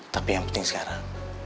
tapi yang penting sekarang